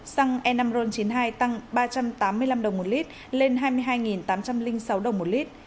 xăng e năm ron chín mươi hai tăng ba trăm tám mươi năm đồng một lít lên hai mươi hai tám trăm linh sáu đồng một lít